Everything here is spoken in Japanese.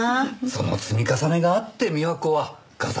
その積み重ねがあって美和子はガサツな女に。